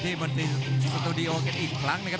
ที่มันที่สตูดิโอกันอีกครั้งนะครับ